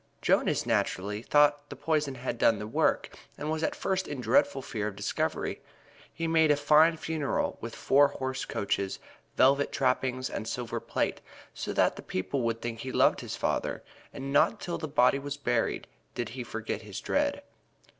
Jonas naturally thought the poison had done the work, and was at first in dreadful fear of discovery. He made a fine funeral, with four horse coaches, velvet trappings and silver plate, so that people would think he loved his father, and not till the body was buried did he forget his dread.